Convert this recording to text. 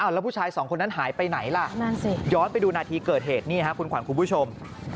แล้วผู้ชายสองคนนั้นหายไปไหนล่ะย้อนไปดูนาทีเกิดเหตุนี่ครับคุณขวัญคุณผู้ชม